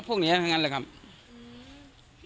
ทั้งก่อนมันไม่ได้กั้นครัฟแพงก็เพราะพวกนี้แหละครับ